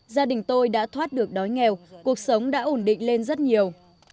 gia đình tôi đã thoát được đói nghèo cuộc sống đã ổn định lên rất nhiều